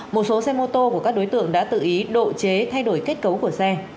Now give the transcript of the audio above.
một số xe mô tô của các đối tượng đã tự ý độ chế thay đổi kết cấu của xe